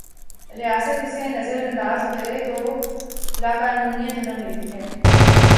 ریاست اسے نظر انداز کرے تولاقانونیت جنم لیتی ہے۔